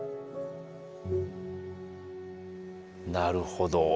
なるほど。